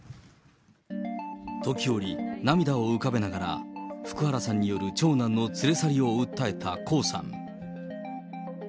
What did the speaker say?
時折、涙を浮かべながら、福原さんによる長男の連れ去りを訴えた江さん。